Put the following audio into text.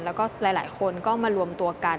แล้วก็หลายคนก็มารวมตัวกัน